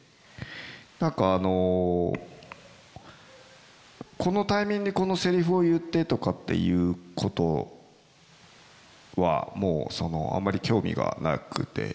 何かあのこのタイミングにこのせりふを言ってとかっていうことはもうあんまり興味がなくて。